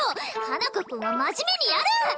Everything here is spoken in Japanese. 花子くんは真面目にやる！